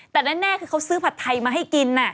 แต่แน่คือเขาซื้อผัดไทยมาให้กิน